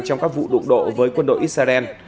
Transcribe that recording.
trong các vụ đụng độ với quân đội israel